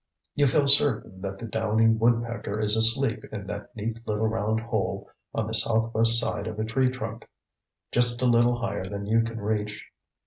You feel certain that the downy woodpecker is asleep in that neat little round hole on the southwest side of a tree trunk, just a little higher than you can reach.